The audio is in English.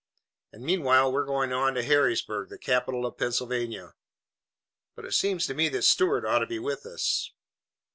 "And meanwhile we're going on to Harrisburg, the capital of Pennsylvania." "But it seems to me that Stuart ought to be with us."